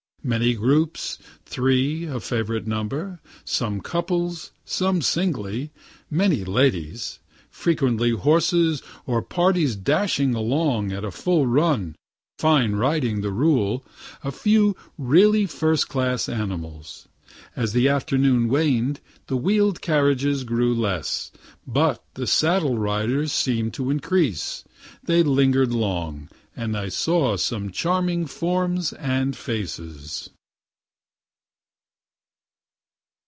Many groups (threes a favorite number,) some couples, some singly many ladies frequently horses or parties dashing along on a full run fine riding the rule a few really first class animals. As the afternoon waned, the wheel'd carriages grew less, but the saddle riders seemed to increase. They linger'd long and I saw some charming forms and faces.